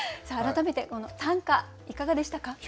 さあ改めてこの短歌いかがでしたか？